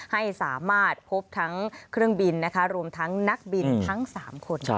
ให้สามารถพบทั้งเครื่องบินรวมทั้งนักบินทั้ง๓คน